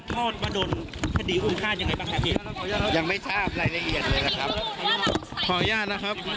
ขออนุญาตขออนุญาต